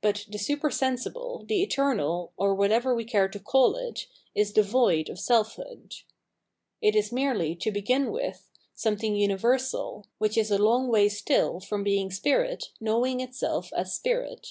But the supersensible, the eternal, or whatever we care to call it, is devoid of selfhood. It is merely, to begin with, something uni versal, which is a long way still from being spirit knowing itself as spirit.